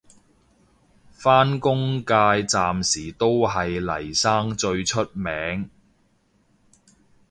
返工界暫時都係嚟生最出名